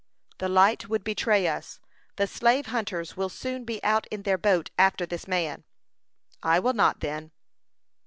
"The light would betray us. The slave hunters will soon be out in their boat after this man." "I will not, then."